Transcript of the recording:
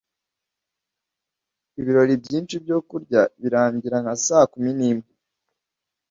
Ibirori byinshi byo kurya birangira nka saa kumi n'imwe.